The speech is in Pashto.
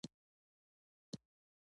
پر ورانيو او جرمونو خوشحاله کېږي.